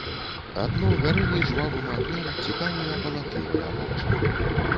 Адно гарэлі жвавым агнём цікавыя палахлівыя вочы.